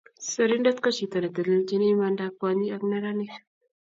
serindet ko chito netelelchini imandab kwonyik ak neranik